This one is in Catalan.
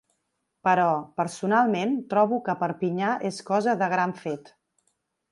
Però, personalment, trobo que Perpinyà és cosa de gran fet.